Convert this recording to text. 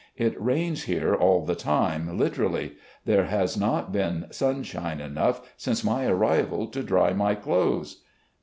... It rains here all the time, literally. There has not been sim shine enough since my arrival to dry my clothes.